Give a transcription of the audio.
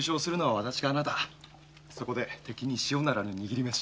そこで敵に塩ならぬ握り飯。